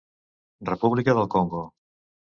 República del Congo.